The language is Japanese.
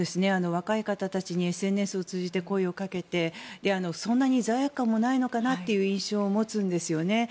若い方たちにＳＮＳを通じて声をかけてそんなに罪悪感もないのかなという印象を持つんですよね。